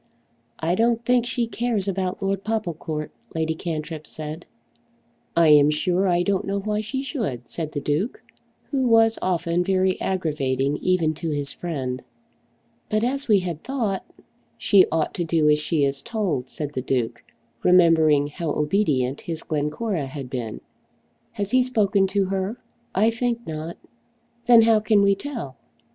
"I don't think she cares about Lord Popplecourt," Lady Cantrip said. "I am sure I don't know why she should," said the Duke, who was often very aggravating even to his friend. "But as we had thought " "She ought to do as she is told," said the Duke, remembering how obedient his Glencora had been. "Has he spoken to her?" "I think not." "Then how can we tell?"